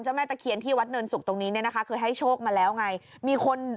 จุดที่การตี้ก็ให้โชคมาแล้วไง